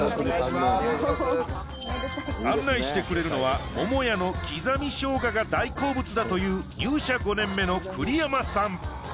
案内してくれるのは桃屋のきざみしょうがが大好物だという入社５年目の栗山さん。